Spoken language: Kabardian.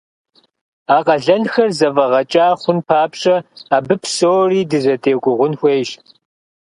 А къалэнхэр зэфӀэгъэкӀа хъун папщӀэ абы псори дызэдегугъун хуейщ.